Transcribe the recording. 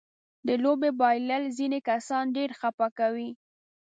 د لوبې بایلل ځينې کسان ډېر خپه کوي.